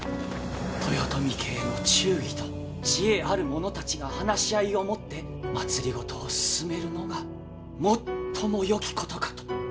豊臣家への忠義と知恵ある者たちが話し合いをもって政を進めるのが最もよきことかと。